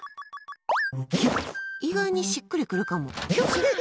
意外にしっくりくるかも！